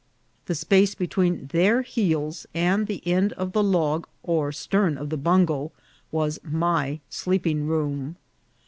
The space between their heels and the end of the log or stern of the bungo was my sleeping room.